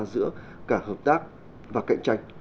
giữa cả hợp tác và cạnh tranh